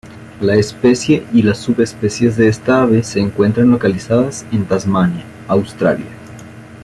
La especie y las subespecies de esta ave se encuentran localizadas en Tasmania, Australia.